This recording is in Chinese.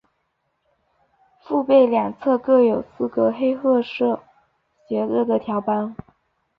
腹背两侧各有四个黑褐色斜着的条斑。